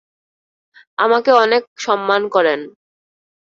আমাকে অনেক সম্মান করেন।